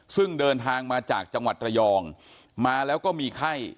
ซึ่งเดินทางมาจากจังหวัดระยองมาแล้วก็มีไข้